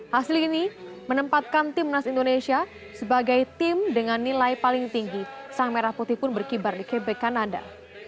hasil ini menempatkan timnas indonesia sebagai tim dengan nilai paling tinggi sang merah putih pun berkibar di kb kanada